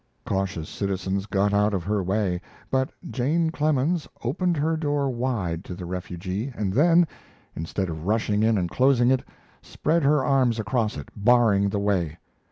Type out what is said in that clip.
Cautious citizens got out of her way, but Jane Clemens opened her door wide to the refugee, and then, instead of rushing in and closing it, spread her arms across it, barring the way.